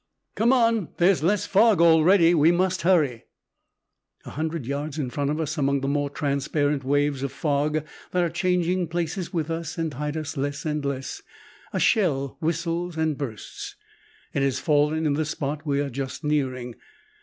"Come on, there's less fog already. We must hurry." A hundred yards in front of us, among the more transparent waves of fog that are changing places with us and hide us less and less, a shell whistles and bursts. It has fallen in the spot we are just nearing.